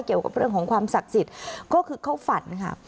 เกี่ยวกับเรื่องของความศักดิ์สิทธิ์ก็คือเข้าฝันค่ะ